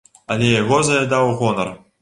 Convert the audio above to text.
Але яго заядаў гонар.